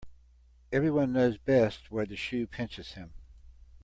Every one knows best where the shoe pinches him.